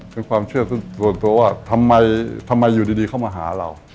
เป็นความเชื่อส่วนตัวว่าทำไมอยู่ดีเข้ามาหาเรา